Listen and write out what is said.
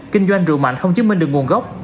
kinh doanh rượu mạnh không chứng minh được nguồn gốc